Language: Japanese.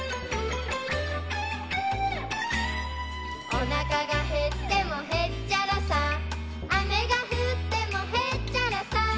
「おなかがへってもへっちゃらさ」「雨が降ってもへっちゃらさ」